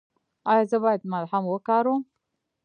ایا زه باید ملهم وکاروم؟